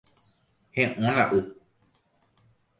He'õ la y